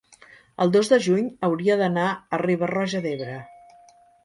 el dos de juny hauria d'anar a Riba-roja d'Ebre.